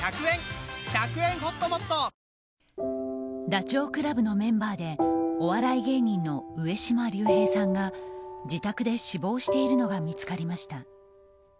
ダチョウ倶楽部のメンバーでお笑い芸人の上島竜兵さんが自宅で死亡しているのが見つかりました。